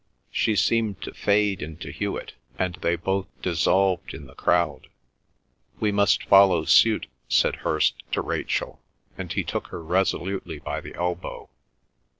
She seemed to fade into Hewet, and they both dissolved in the crowd. "We must follow suit," said Hirst to Rachel, and he took her resolutely by the elbow.